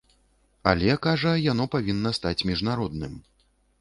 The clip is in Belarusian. Але, кажа, яно павінна стаць міжнародным.